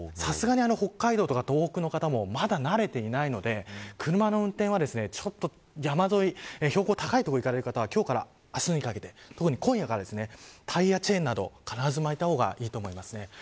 さすがに北海道とか東北の方もまだ慣れていないので車の運転は山沿標高の高い所に行かれる方は今日から明日にかけて特に今夜はタイヤチェーンなど必ず巻いた方がいいと思います。